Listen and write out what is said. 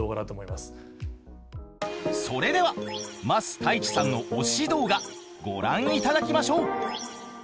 それでは桝太一さんの推し動画ご覧いただきましょう！